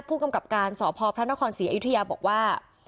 ผู้กำกับการสพพระนครศรีอยุธยาบอกว่า